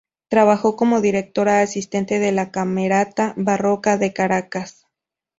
Trabajó como directora asistente de la Camerata Barroca de Caracas.